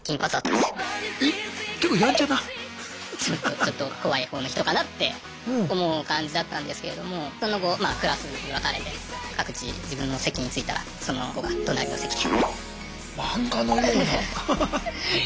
ちょっと怖いほうの人かなって思う感じだったんですけれどもその後クラスに分かれて各自自分の席に着いたらその子が隣の席で。